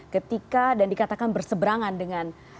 ketika dan dikatakan berseberangan dengan